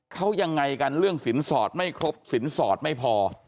เขายังไงกันเรื่องสินสอดไม่ครบสินสอดไม่พอ